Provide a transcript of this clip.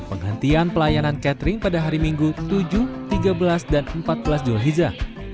penghentian pelayanan catering pada hari minggu tujuh tiga belas dan empat belas julhiza